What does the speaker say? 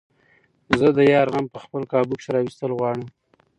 زۀ د يار غم په خپل قابو کښې راوستل غواړمه